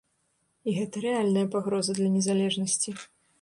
І гэта рэальная пагроза для незалежнасці.